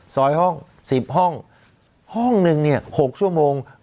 ซอยห้อง๑๐ห้องห้องนึงเนี่ย๖ชั่วโมง